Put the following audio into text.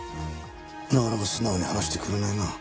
なかなか素直に話してくれないな。